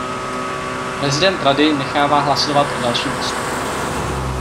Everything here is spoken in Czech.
Prezident Rady nechává hlasovat o dalším postupu.